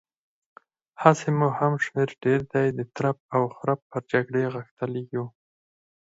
هسې مو هم شمېر ډېر دی، د ترپ او خرپ پر جګړې غښتلي يو.